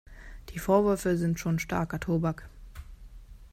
Die Vorwürfe sind schon starker Tobak.